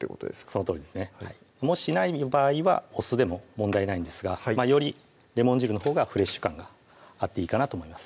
そのとおりですねもしない場合はお酢でも問題ないんですがよりレモン汁のほうがフレッシュ感があっていいかなと思います